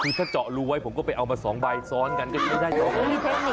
คือถ้าเจาะรูไว้ผมก็ไปเอามา๒ใบซ้อนกันก็ใช้ได้ครับผม